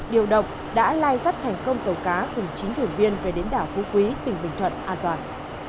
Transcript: điều động đã lai dắt thành công tàu cá cùng chín thuyền viên về đến đảo phú quý tỉnh bình thuận an toàn